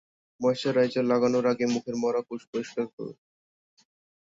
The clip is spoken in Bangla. ময়েশ্চারাইজার লাগানোর আগে মুখের মরা কোষ পরিষ্কার করুন।